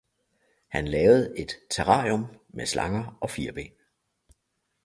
Han lavede et terrarium med slanger og firben.